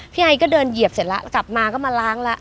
ไอก็เดินเหยียบเสร็จแล้วกลับมาก็มาล้างแล้ว